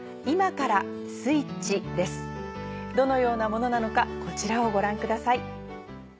どのようなものなのかこちらをご覧ください。